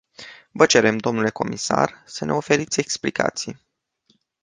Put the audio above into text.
Vă cerem, dle comisar, să ne oferiți explicații.